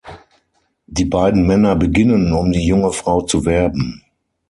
Die beiden Männer beginnen, um die junge Frau zu werben.